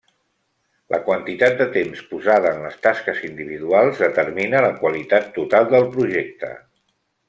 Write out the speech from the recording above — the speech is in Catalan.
La quantitat de temps posada en les tasques individuals determina la qualitat total del projecte.